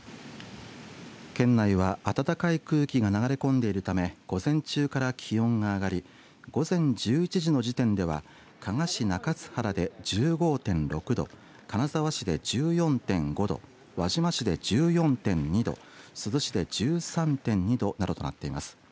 県内は暖かい空気が流れ込んでいるため午前中から気温が上がり午前１１時の時点では加賀市中津原で１５．６度金沢市で１４．５度輪島市で１４．２度珠洲市で１３．２度などとなっています。